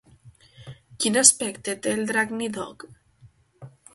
Quin aspecte té el drac Nidhogg?